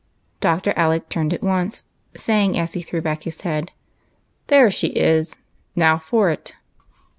Dr. Alec turned at once, saying, as he threw •back his head, " There she is ; now for it